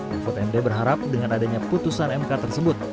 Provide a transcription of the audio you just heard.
mahfud md berharap dengan adanya putusan mk tersebut